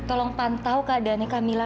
tolong pantau keadaannya kamila